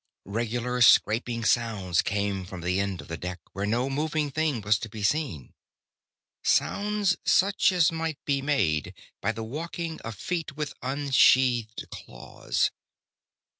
Regular scraping sounds came from the end of the deck, where no moving thing was to be seen sounds such as might be made by the walking of feet with unsheathed claws.